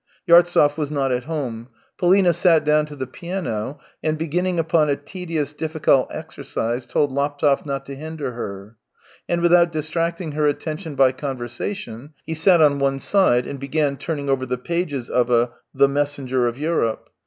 Yartsev was not at home. Polina sat down to the piano, and beginning upon a tedious, difficult exercise, told Laptev not to hinder her. And witliout distracting her attention by conversation, lie sat on one side and began turning over tiie pages of a " The Messenger of Europe."